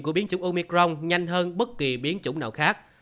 của biến chủng omicron nhanh hơn bất kỳ biến chủng nào khác